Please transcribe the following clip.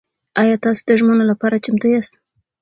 ایا تاسو د ژمنو لپاره چمتو یاست؟